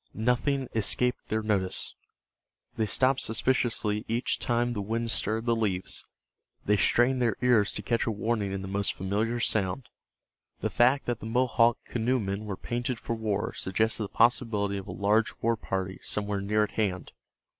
Nothing escaped their notice. They stopped suspiciously each time the wind stirred the leaves; they strained their ears to catch a warning in the most familiar sound. The fact that the Mohawk canoemen were painted for war suggested the possibility of a large war party somewhere near at hand.